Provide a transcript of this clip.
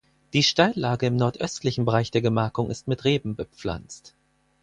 Die Steillage im nordöstlichen Bereich der Gemarkung ist mit Reben bepflanzt.